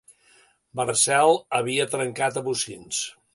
Marcel havia trencat a bocins.